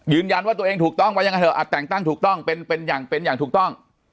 ยืนยันว่าตัวเองถูกต้องไว้อย่างไรเถอะแต่งตั้งถูกต้องเป็นอย่างถูกต้อง